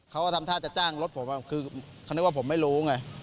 เขาทำท่ารถผมคือเขานึกว่าผมไม่รู้ไง